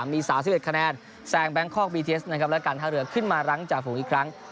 มี๓๑คะแนนแซงแบงคอกบีเทสนะครับและการท่าเรือขึ้นมารั้งจ่าฝูงอีกครั้ง